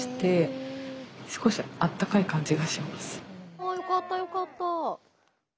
あよかったよかった。